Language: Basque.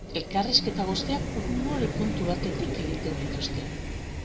Elkarrizketa guztiak umore puntu batetik egiten dituzte.